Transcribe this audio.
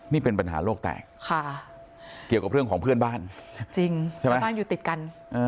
นี่เป็นปัญหาโลกแตกเกี่ยวกับเรื่องของเพื่อนบ้านจริงใช่ไหมบ้านอยู่ติดกัน